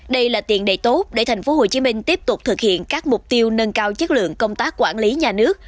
đây là tiện đầy tốt để thành phố hồ chí minh tiếp tục thực hiện các mục tiêu nâng cao chất lượng công tác quản lý nhà nước